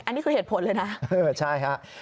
อันนี้คือเหตุผลเลยนะใช่ฮะ